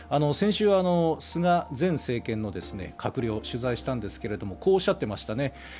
先週、菅前政権の閣僚を取材したんですがこうおっしゃっていましたね。